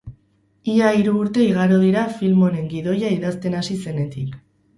Ia hiru urte igaro dira film honen gidoia idazten hasi zenetik.